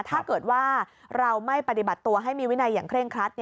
ถ้าเกิดว่าเราไม่ปฏิบัติตัวให้มีวินัยอย่างเร่งครัด